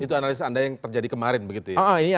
itu analisa anda yang terjadi kemarin begitu ya